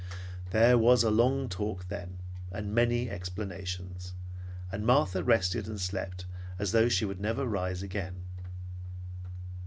There was a long talk then, and many explanations, and Martha rested and slept as though she never would rise again.